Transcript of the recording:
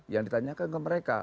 yang ditanyakan ke mereka